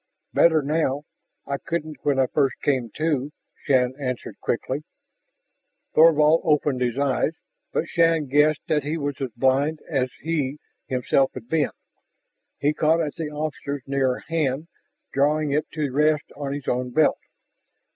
"Better now. I couldn't when I first came to," Shann answered quickly. Thorvald opened his eyes, but Shann guessed that he was as blind as he himself had been, He caught at the officer's nearer hand, drawing it to rest on his own belt.